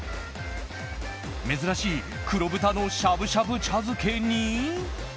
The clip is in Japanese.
珍しい黒豚のしゃぶしゃぶ茶漬けに。